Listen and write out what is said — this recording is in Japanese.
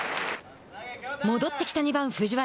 戻ってきた２番藤原。